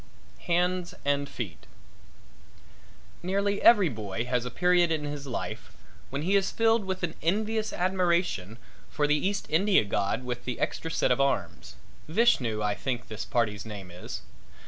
HANDS AND FEET Nearly every boy has a period in his life when he is filled with an envious admiration for the East India god with the extra set of arms Vishnu, I think this party's name is.